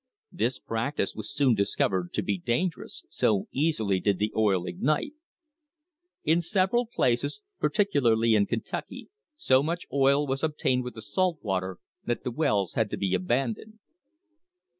This practice was soon discovered to be dangerous, so easily did the oil ignite. THE BIRTH OF AN INDUSTRY In several places, particularly in Kentucky, so much oil was obtained with the salt water that the wells had to be aban doned.